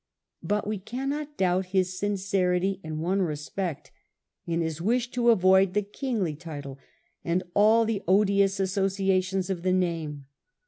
But we cannot doubt his sincerity in one respect — in his wish to avoid the kingly title and all the odious associations of the name.